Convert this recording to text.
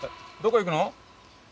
どこ行くの？